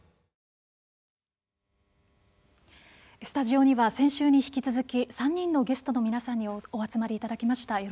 スタジオには先週に引き続き３人のゲストの皆さんにお集まりいただきました。